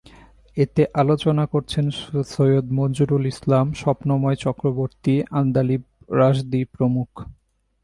এতে আলোচনা করেছেন সৈয়দ মনজুরুল ইসলাম, স্বপ্নময় চক্রবর্তী, আন্দালিব রাশদী প্রমুখ।